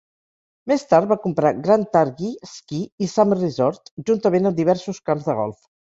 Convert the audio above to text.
Més tard va comprar Grand Targhee Ski i Summer Resort, juntament amb diversos camps de golf.